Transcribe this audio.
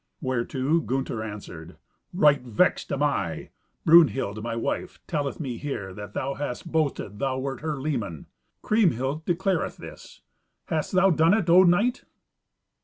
Whereto Gunther answered, "Right vexed am I. Brunhild, my wife, telleth me here that thou hast boasted thou wert her leman. Kriemhild declareth this. Hast thou done it, O knight?"